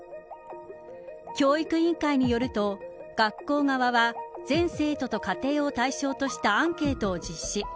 教育委員会によると学校側は全生徒と家庭を対象としたアンケートを実施。